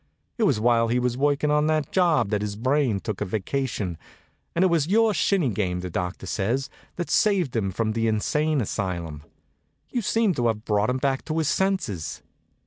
It was while he was working on that job that his brain took a vacation; and it was your shinny game, the doctors say, that saved him from the insane asylum. You seem to have brought him back to his senses."